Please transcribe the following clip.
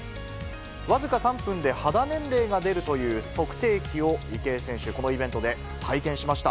僅か３分で肌年齢が出るという測定器を池江選手、このイベントで体験しました。